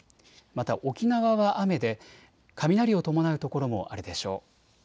また沖縄は雨で雷を伴う所もあるでしょう。